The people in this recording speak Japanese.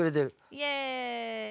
イエーイ！